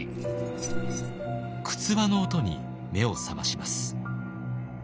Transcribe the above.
くつわの音に目を覚まします。